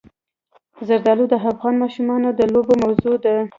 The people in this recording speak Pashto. زردالو د افغان ماشومانو د لوبو موضوع ده.